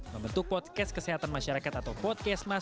membentuk podcast kesehatan masyarakat atau podcast